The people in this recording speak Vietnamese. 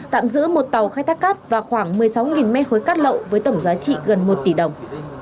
tạm giữ một tàu khai thác cát và khoảng một mươi sáu mét khối cát lậu với tổng giá trị gần một tỷ đồng